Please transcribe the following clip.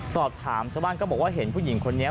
สอบถามชาวบ้านก็บอกว่าเห็นผู้หญิงคนนี้